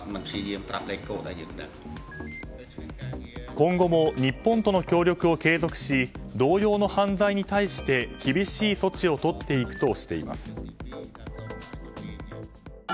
今後も日本との協力を継続し同様の犯罪に対して厳しい措置をとっていくとしています。